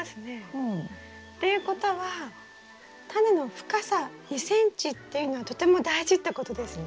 っていうことはタネの深さ２ｃｍっていうのはとても大事ってことですね。